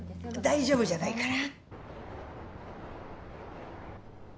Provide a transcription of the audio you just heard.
大丈夫じゃないから。